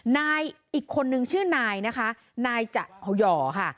นายอีกคนนึงชื่อนายนะคะนายจะหย่อค่ะ